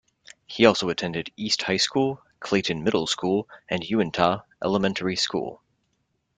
He also attended East High School, Clayton Middle School, and Uintah Elementary School.